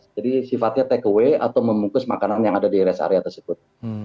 jadi sifatnya take away atau memukus makanan yang ada di res area tersebut